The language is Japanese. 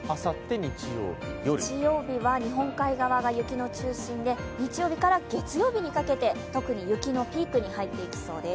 日曜日は日本海側が雪の中心で、日曜日から月曜日にかけて特に雪のピークに入っていきそうです。